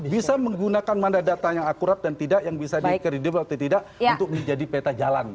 bisa menggunakan mana data yang akurat dan tidak yang bisa di kredibel atau tidak untuk menjadi peta jalan